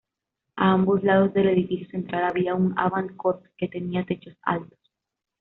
A ambos lados del edificio central había un "Avant-corps" que tenía techos altos.